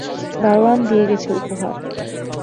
দারোয়ান দিয়ে গেছে উপহার।